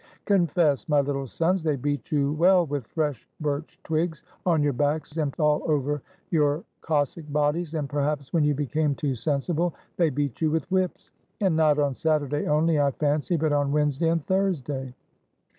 Confess, my little sons, they beat you well with fresh birch twigs, on your backs, and all over your Cossack bodies; and perhaps, when you became too sensible, they beat you with whips. And not on Saturday only, I fancy, but on Wednesday and Thursday."